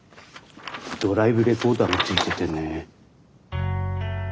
ドライブレコーダーがついててね。